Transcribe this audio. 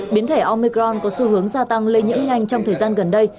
biến thể omecron có xu hướng gia tăng lây nhiễm nhanh trong thời gian gần đây